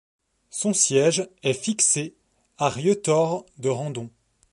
Son siège est fixé à Rieutort-de-Randon.